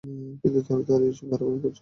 এখন কিন্তু বাড়াবাড়ি করছো, বার্নার্ডো।